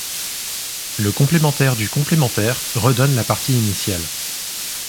Le complémentaire du complémentaire redonne la partie initiale.